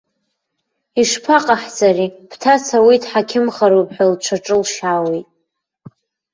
Ишԥаҟаҳҵари, бҭаца уи дҳақьымхароуп ҳәа лҽаҿылшьаауеит.